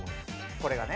これがね。